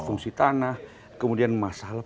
fungsi tanah kemudian masalah